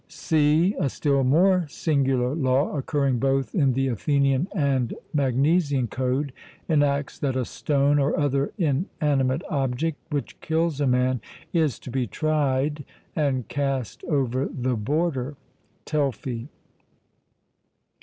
(c) A still more singular law, occurring both in the Athenian and Magnesian code, enacts that a stone or other inanimate object which kills a man is to be tried, and cast over the border (Telfy).